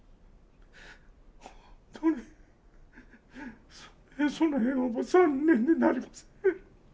本当にその辺は残念でなりません。